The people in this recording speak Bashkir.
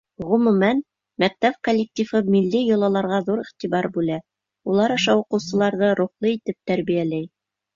Ғөмүмән, мәктәп коллективы милли йолаларға ҙур иғтибар бүлә, улар аша уҡыусыларҙы рухлы итеп тәрбиәләй.